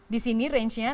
di sini range nya